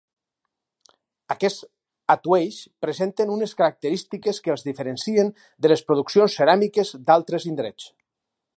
Aquests atuells presenten unes característiques que els diferencien de les produccions ceràmiques d'altres indrets.